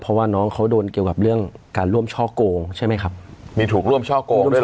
เพราะว่าน้องเขาโดนเกี่ยวกับเรื่องการร่วมช่อโกงใช่ไหมครับมีถูกร่วมช่อโกงด้วย